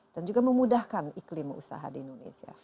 dan juga memudahkan iklim usaha di indonesia